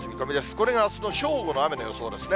これがあすの正午の雨の予想ですね。